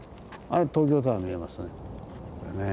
あれ東京タワー見えますね。